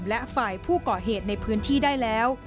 และฝ่ายผู้ก่อเหตุในพื้นที่ได้แล้ว